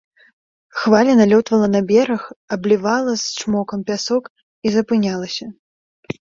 Хваля налётвала на бераг, аблівала з чмокам пясок і запынялася.